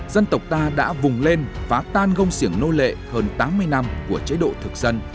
dân tộc ta đã vùng lên phá tan gông siểng nô lệ hơn tám mươi năm của chế độ thực dân